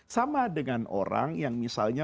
sama dengan orang yang misalnya